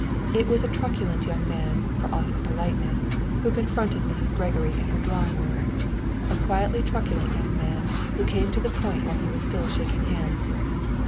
It was a truculent young man, for all his politeness, who confronted Mrs. Gregory in her drawing room a quietly truculent young man, who came to the point while he was still shaking hands.